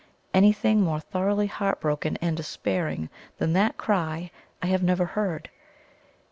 Anything more thoroughly heartbroken and despairing than that cry I have never heard.